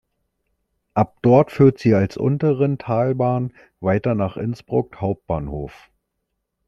Ab dort führt sie als Unterinntalbahn weiter nach Innsbruck Hauptbahnhof.